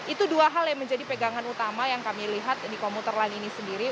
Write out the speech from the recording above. itu dua hal yang menjadi pegangan utama yang kami lihat di komuter lain ini sendiri